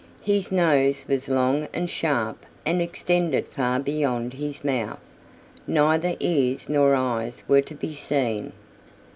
His nose was long and sharp and extended far beyond his mouth. Neither ears nor eyes were to be seen.